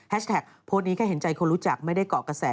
โพสต์นี้แค่เห็นใจคนรู้จักไม่ได้เกาะกระแส